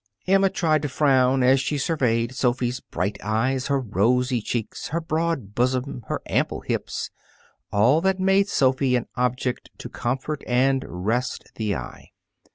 Emma tried to frown as she surveyed Sophy's bright eyes, her rosy cheeks, her broad bosom, her ample hips all that made Sophy an object to comfort and rest the eye.